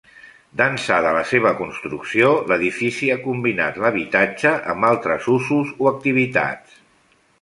D'ençà de la seva construcció, l'edifici ha combinat l'habitatge amb altres usos o activitats.